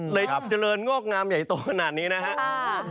เจริญงอกงามใหญ่โตขนาดนี้นะครับ